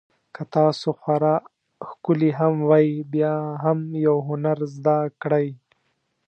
که تاسو خورا ښکلي هم وئ بیا هم یو هنر زده کړئ.